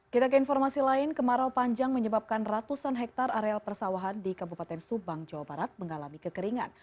kita ke informasi lain kemarau panjang menyebabkan ratusan hektare areal persawahan di kabupaten subang jawa barat mengalami kekeringan